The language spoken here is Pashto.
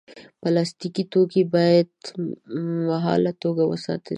پلاستيکي توکي باید مهاله توګه وساتل شي.